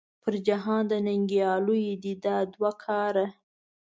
پر جهان د ننګیالو دې دا دوه کاره .